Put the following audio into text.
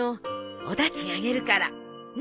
お駄賃あげるからねっ。